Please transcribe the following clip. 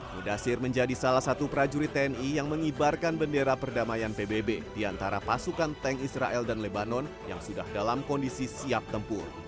mudasir menjadi salah satu prajurit tni yang mengibarkan bendera perdamaian pbb di antara pasukan tank israel dan lebanon yang sudah dalam kondisi siap tempur